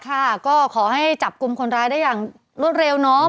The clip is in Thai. ค่ะก็ขอให้จับกลุ่มคนร้ายได้อย่างรวดเร็วเนาะ